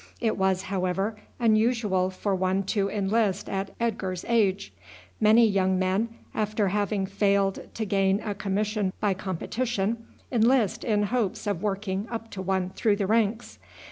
It was, however, unusual for one to enlist at Edgar's age. Many young men, after having failed to gain a commission by competition, enlist in hopes of working up to one through the ranks.